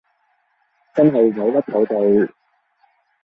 真係委屈佢哋